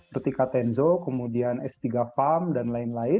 ketika tenzo kemudian s tiga famp dan lain lain